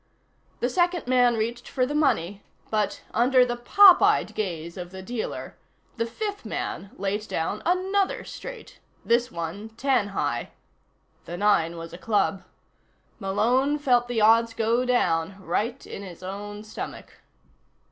The second man reached for the money but, under the popeyed gaze of the dealer, the fifth man laid down another straight this one ten high. The nine was a club Malone felt the odds go down, right in his own stomach.